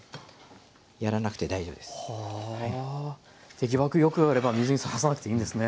手際よくやれば水にさらさなくていいんですね。